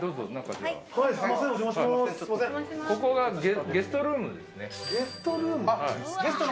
ここがゲストルームですね。